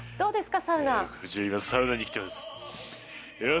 今、サウナに来ています。